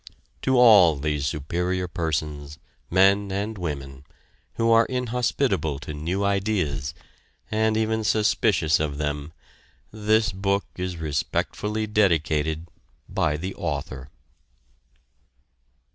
To all these Superior Persons, men and women, who are inhospitable to new ideas, and even suspicious of them, this book is respectfully dedicated by THE AUTHOR.